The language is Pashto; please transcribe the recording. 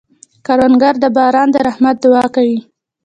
کروندګر د باران د رحمت دعا کوي